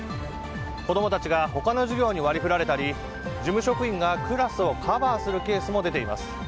子供たちが他の授業に割り振られたり事務職員がクラスをカバーするケースも出ています。